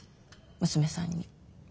娘さんに。